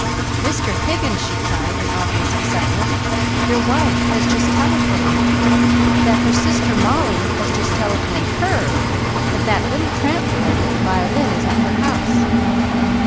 "Mr. Higgins," she cried, in obvious excitement, "your wife has just telephoned that her sister Mollie has just telephoned HER that that little tramp boy with the violin is at her house."